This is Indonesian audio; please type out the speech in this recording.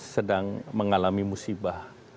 sedang mengalami musibah